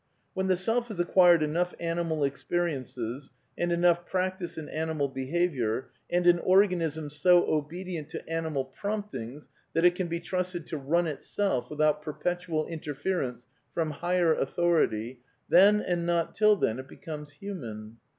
When the self has acquired enough animal ex periences, and enough practice in animal behaviour, and an organism so obedient to animal promptings that it can be trusted to run itself without perpetual interference from higher authority, then and not till then, it becomes human.